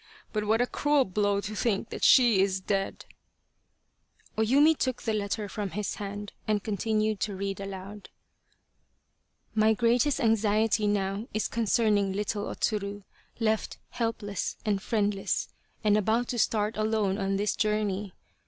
But what a cruel blow to think that she is dead !" O Yumi took the letter from his hand and continued to read aloud :" My greatest anxiety now is concerning little Tsuru left helpless and friendless, and about to start alone on this journey.